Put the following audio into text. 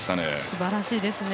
すばらしいですね。